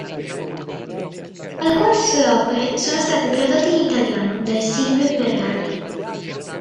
Alcune sue opere sono state tradotte in italiano da Silvio Ferrari.